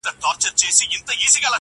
وختونه واوښتل اور ګډ سو د خانۍ په خونه-